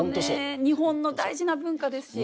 日本の大事な文化ですし。